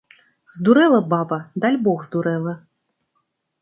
Здурэла баба, дальбог, здурэла.